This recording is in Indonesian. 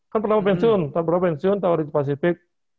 kan pernah pensiun pernah pensiun tawari pacific